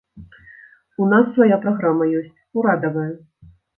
У нас свая праграма ёсць, урадавая.